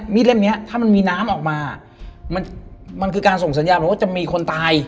เล่มเนี้ยถ้ามันมีน้ำออกมามันคือการส่งสัญญาณบอกว่าจะมีคนตาย